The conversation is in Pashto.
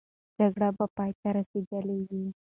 جګړه به پای ته رسېدلې وي.